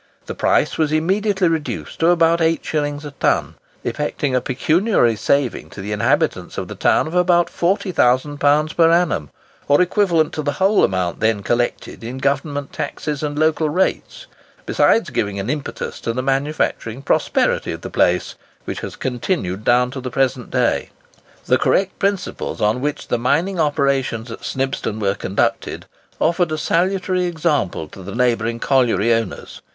The price was immediately reduced to about 8s. a ton, effecting a pecuniary saving to the inhabitants of the town of about £40,000 per annum, or equivalent to the whole amount then collected in Government taxes and local rates, besides giving an impetus to the manufacturing prosperity of the place, which has continued down to the present day. The correct principles upon which the mining operations at Snibston were conducted offered a salutary example to the neighbouring colliery owners.